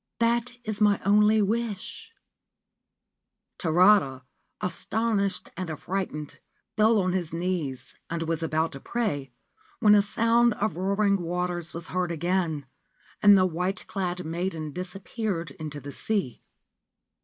That is my only wish/ Tarada, astonished and affrighted, fell on his knees, and was about to pray, when a sound of roaring waters was heard again, and the white clad maiden disappeared into the sea.